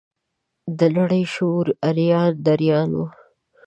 د نړۍ شعور اریان دریان و.